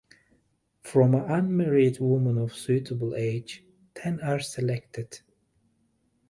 From the unmarried women of suitable age, ten are selected.